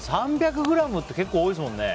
３００ｇって結構多いですもんね。